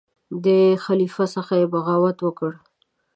د خلیفه څخه یې بغاوت وکړ.